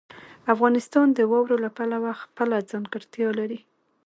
افغانستان د واورو له پلوه خپله ځانګړتیا لري.